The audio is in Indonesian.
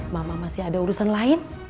mama masih ada urusan lain